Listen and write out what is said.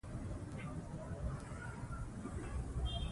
په سړکونو کې تېز رفتار مه کوئ.